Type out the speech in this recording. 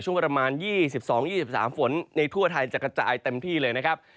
ช่วงประมาณ๒๒๒๓ฝนในทั่วไทยจะกระจายเต็มที่เลยนะครับ